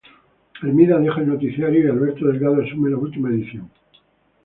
Hermida deja el noticiario y Alberto Delgado asume la última edición.